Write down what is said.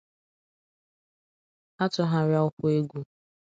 a tụgharịa ụkwụ egwu.